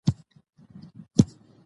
د نجونو تعلیم د ملي ورځو نمانځنه کوي.